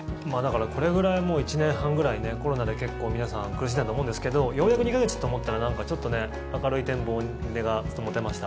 これぐらい１年半ぐらいコロナで結構皆さん苦しんだと思うんですけどようやく２か月と思ったらなんかちょっと明るい展望が持てました。